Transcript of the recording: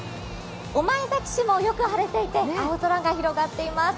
御前崎市もよく晴れていて青空が広がっています。